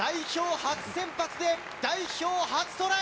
初先発で代表初トライ！